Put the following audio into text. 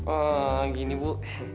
eeeh gini bu